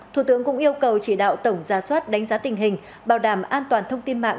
thủ tướng cũng yêu cầu chỉ đạo tổng gia soát đánh giá tình hình bảo đảm an toàn thông tin mạng